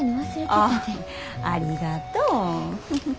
ああありがとう。